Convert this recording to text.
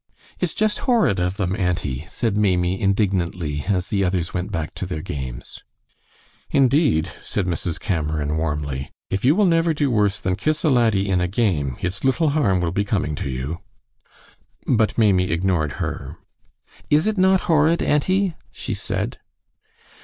"It's just horrid of them, auntie," said Maimie, indignantly, as the others went back to their games. "Indeed," said Mrs. Cameron, warmly, "if you will never do worse than kiss a laddie in a game, it's little harm will be coming to you." But Maimie ignored her. "Is it not horrid, auntie?" she said.